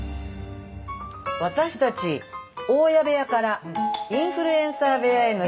私たち大家部屋からインフルエンサー部屋への質問です。